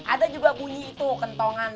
ada juga bunyi itu kentongan